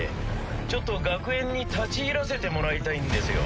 ちょっと学園に立ち入らせてもらいたいんですよ。